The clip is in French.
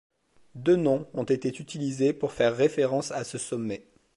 Deux noms ont été utilisés pour faire référence à ce sommet.